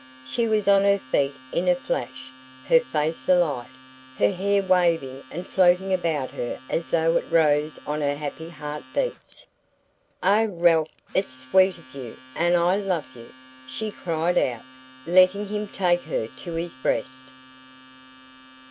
She was on her feet in a flash, her face alight, her hair waving and floating about her as though it rose on her happy heart beats. "Oh, Ralph, it's SWEET of you, and I love you!" she cried out, letting him take her to his breast.